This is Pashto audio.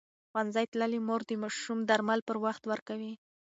ښوونځې تللې مور د ماشوم درمل پر وخت ورکوي.